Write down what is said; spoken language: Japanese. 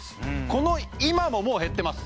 この今ももう減ってます